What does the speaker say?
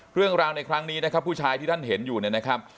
เรื่องราวในครั้งนี้นะครับผู้ชายที่ท่านเห็นอยู่เนี่ยนะครับ